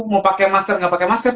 mau pakai masker nggak pakai masker